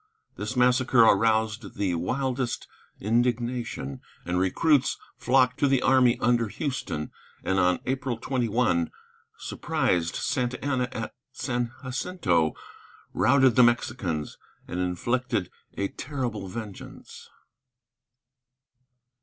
This massacre aroused the wildest indignation, and recruits flocked to the army under Houston, and on April 21 surprised Santa Anna at San Jacinto, routed the Mexicans, and inflicted a terrible vengeance.